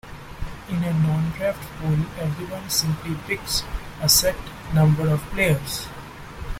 In a non-draft pool, everyone simply picks a set number of players.